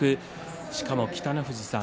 しかも北の富士さん